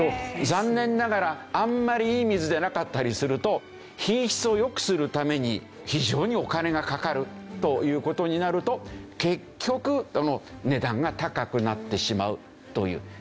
残念ながらあんまりいい水ではなかったりすると品質を良くするために非常にお金がかかるという事になると結局値段が高くなってしまうという。